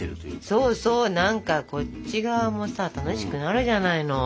そうそう何かこっち側もさ楽しくなるじゃないの。